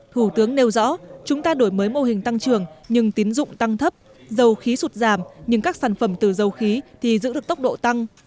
thủ tướng nêu rõ chúng ta đổi mới mô hình tăng trưởng nhưng tín dụng tăng thấp dầu khí sụt giảm nhưng các sản phẩm từ dầu khí thì giữ được tốc độ tăng